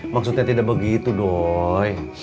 maksudnya tidak begitu doy